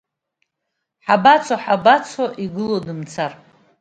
Ҳабацо, ҳабацо, игылоу дымцар?!